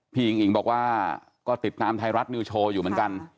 อิงอิ๋งบอกว่าก็ติดตามไทยรัฐนิวโชว์อยู่เหมือนกัน